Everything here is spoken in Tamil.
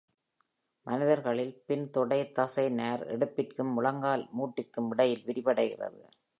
மனிதர்களில், பின் தொடை தசை நார் இடுப்பிற்கும் முழங்கால் மூட்டிற்கு இடையில் விரிவடைகிறது.